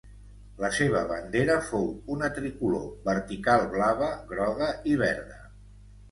La seva bandera fou una tricolor vertical blava, groga i verda.